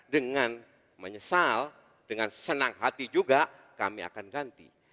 dengan menyesal dengan senang hati juga kami akan ganti